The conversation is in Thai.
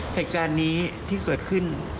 เหตุการณ์นี้ที่เกิดขึ้น